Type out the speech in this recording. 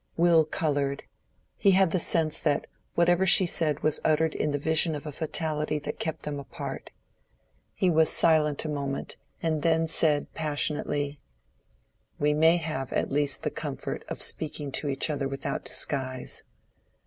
Will colored. He had the sense that whatever she said was uttered in the vision of a fatality that kept them apart. He was silent a moment, and then said passionately— "We may at least have the comfort of speaking to each other without disguise.